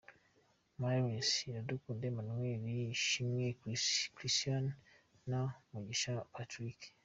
Marines: Iradukunda Emmanuel, Ishimwe Christian na Mugisha Patrick.